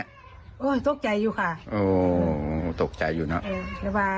โอ้โหตกใจอยู่ค่ะโอ้ตกใจอยู่เนอะ